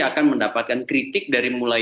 akan mendapatkan kritik dari mulai